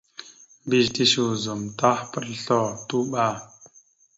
Mbiyez tishe ozum tahəpaɗ oslo, tuɓa.